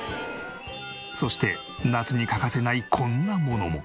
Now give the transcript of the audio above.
そして夏に欠かせないこんなものも。